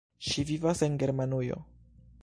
Ŝi vivas en Germanujo.